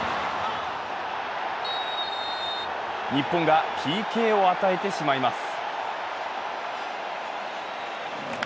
日本がＰＫを与えてしまいます。